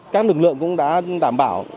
các lực lượng cũng đã đảm bảo